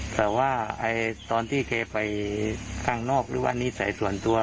แต่ตอนที่เคยไปกลางนอกหรืออันนี้ใส่ส่วนตัว